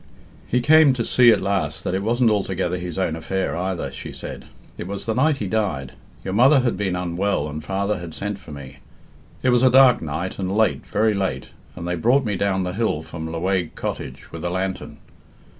"He came to see at last that it wasn't altogether his own affair either," she said. "It was the night he died. Your mother had been unwell and father had sent for me. It was a dark night, and late, very late, and they brought me down the hill from Lewaige Cottage with a lantern.